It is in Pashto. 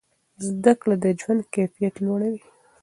زده کړه د ژوند کیفیت لوړوي.